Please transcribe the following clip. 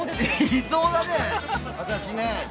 いそうだね、私ね。